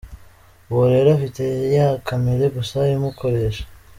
Uwo rero afite ya kamere gusa imukoresha.